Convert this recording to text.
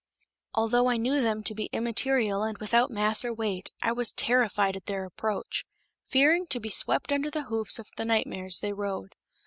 Although I knew them to be immaterial and without mass or weight, I was terrified at their approach, fearing to be swept under the hoofs of the nightmares they rode.